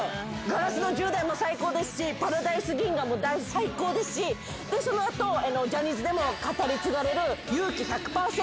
『ガラスの十代』も最高だし『パラダイス銀河』も最高ですしその後ジャニーズでも語り継がれる『勇気１００％』。